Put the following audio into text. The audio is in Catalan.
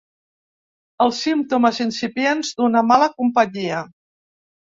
Els símptomes incipients d’una mala companyia.